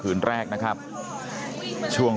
กระดิ่งเสียงเรียกว่าเด็กน้อยจุดประดิ่ง